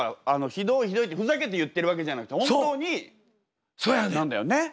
「ひどいひどい」ってふざけて言ってるわけじゃなくて本当になんだよね？